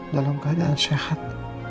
dalam keadaan sehat